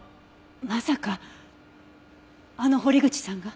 まさかあの堀口さんが？